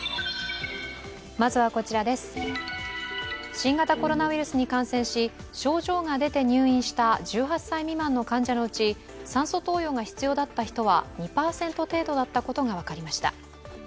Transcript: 新型コロナウイルスに感染し、症状が出て入院した１８歳未満の患者のうち酸素投与が必要だった人は２％程度だったことが分かりました。